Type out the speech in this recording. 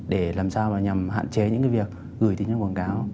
để làm sao mà nhằm hạn chế những cái việc gửi thí nghiệm quảng cáo